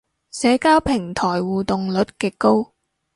社交平台互動率極高